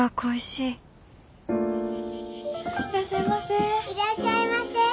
いらっしゃいませ。